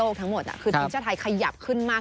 ครับ